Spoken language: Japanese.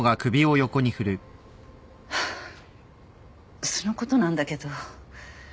フゥそのことなんだけど。